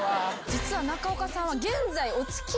実は中岡さんは。